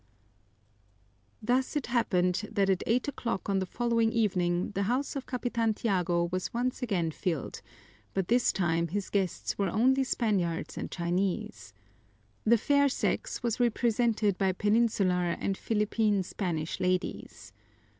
Thus it happened that at eight o'clock on the following evening the house of Capitan Tiago was once again filled, but this time his guests were only Spaniards and Chinese. The fair sex was represented by Peninsular and Philippine Spanish ladies.